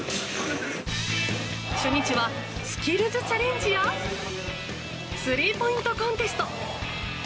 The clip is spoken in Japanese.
初日はスキルズチャレンジやスリーポイントコンテスト。